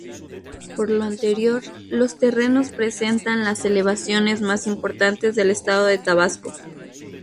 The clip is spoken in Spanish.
Por lo anterior, los terrenos presentan las elevaciones más importantes del estado de Tabasco.